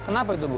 kenapa itu bu